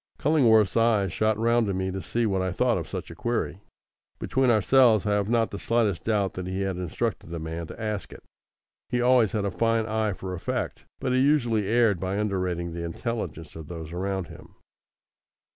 Cullingworth's eyes shot round to me to see what I thought of such a query. Between ourselves I have not the slightest doubt that he had instructed the man to ask it. He always had a fine eye for effect, but he usually erred by underrating the intelligence of those around him.